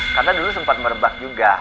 karena dulu sempat merebak juga